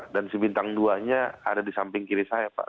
dan si bintang dua nya ada di samping kiri saya pak